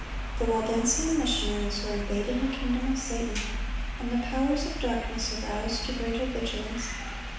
The Waldensian missionaries were invading the kingdom of Satan, and the powers of darkness aroused to greater vigilance.